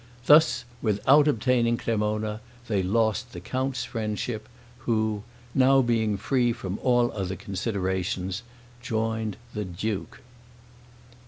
Thus without obtaining Cremona, they lost the count's friendship, who, now being free from all other considerations, joined the duke.